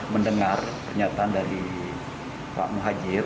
mendengar pernyataan dari pak muhajir